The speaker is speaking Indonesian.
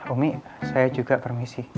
umi saya juga permisi